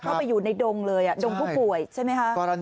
เข้าไปอยู่ในดงเลยดงผู้ป่วยใช่ไหมคะ